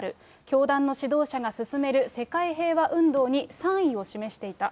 教団の指導者が進める世界平和運動に賛意を示していた。